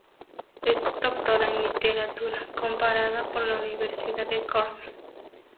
Es doctora en Literatura Comparada por la Universidad de Cornell.